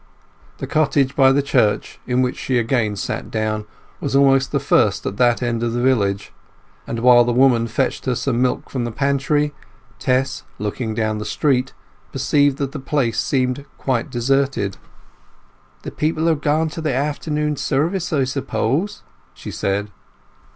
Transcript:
The cottage by the church, in which she again sat down, was almost the first at that end of the village, and while the woman fetched her some milk from the pantry, Tess, looking down the street, perceived that the place seemed quite deserted. "The people are gone to afternoon service, I suppose?" she said.